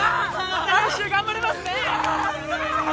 また練習頑張れますね。